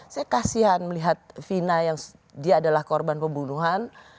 saya kasihan melihat vina yang dia adalah korban pembunuhan